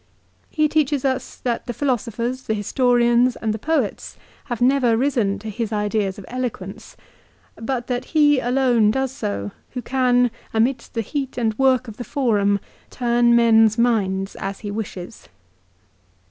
He tells us .that the philo sophers, the historians, and the poets have never risen to his ideas of eloquence; but that he alone does so who can, amidst the heat and work of the Forum, turn men's minds as he wishes.